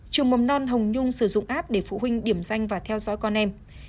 trường mầm non hồng nhung sử dụng app để phụ huynh điểm danh và theo dõi con em